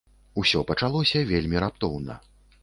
Усё пачалося вельмі раптоўна.